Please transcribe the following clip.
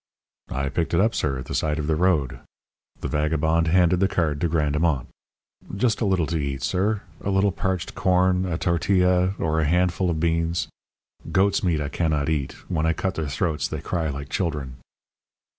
"I picked it up, sir, at the side of the road." The vagabond handed the card to Grandemont. "Just a little to eat, sir. A little parched corn, a tartilla, or a handful of beans. Goat's meat I cannot eat. When I cut their throats they cry like children."